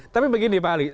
tapi begini pak ali